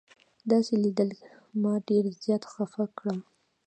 داسې لیدل ما ډېر زیات خفه کړم.